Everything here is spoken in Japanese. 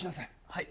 はい。